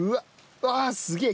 うわすげえ！